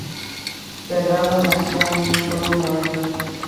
Ferraro nació en Newburgh, Nueva York.